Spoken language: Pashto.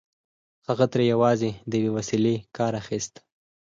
هغه ترې یوازې د یوې وسيلې کار اخيست